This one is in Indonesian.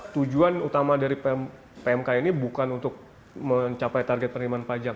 tujuan utama dari pmk ini bukan untuk mencapai target penerimaan pajak